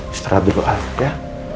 istirahat dulu ya